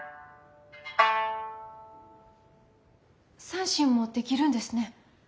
三線もできるんですね。